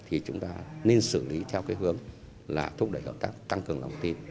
thì chúng ta nên xử lý theo cái hướng là thúc đẩy hợp tác tăng cường lòng tin